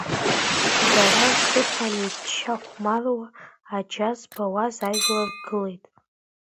Дара рҭыԥан ичча-хәмаруа, аџьа збауаз ажәлар гылеит.